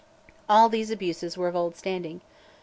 All these abuses were of old standing.